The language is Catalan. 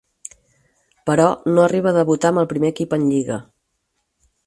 Però, no arriba a debutar amb el primer equip en Lliga.